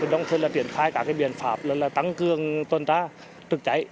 đồng thời triển khai các biện pháp tăng cường tuần tra trực cháy